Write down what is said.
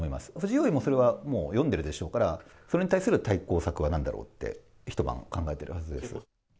王位もそれはもう読んでるでしょうから、それに対する対抗策はなんだろうって、一晩考えているはずです。